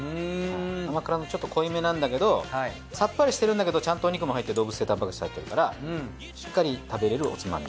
甘辛のちょっと濃いめなんだけどさっぱりしてるんだけどちゃんとお肉も入って動物性たんぱく質入ってるからしっかり食べられるおつまみ。